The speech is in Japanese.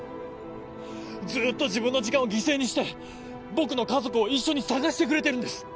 ずっと自分の時間を犠牲にして僕の家族を一緒に捜してくれてるんです！